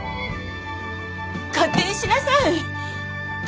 勝手にしなさい！